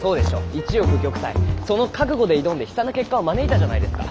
一億玉砕その覚悟で挑んで悲惨な結果を招いたじゃないですか。